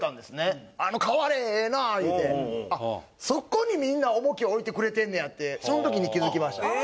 そこにみんな重きを置いてくれてんねやってその時に気付きました。